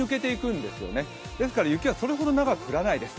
ですから雪はそれほど長く降らないです。